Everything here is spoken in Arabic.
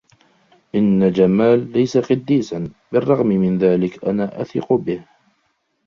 إنّ جمال ليس قدّيسا. "بالرّغم من ذلك، أنا أثق به."